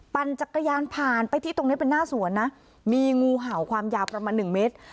ปั่นจักรยานผ่านไปที่ตรงนี้เป็นหน้าสวนนะมีงูเห่าความยาวประมาณหนึ่งเมตร